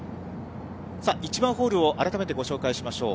さあ、１番ホールを改めてご紹介しましょう。